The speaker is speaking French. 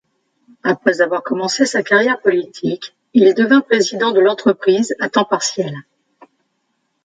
Après avoir commencé sa carrière politique, il devint président de l'entreprise à temps partiel.